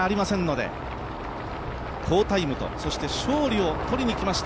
好タイムという勝利を取りにきました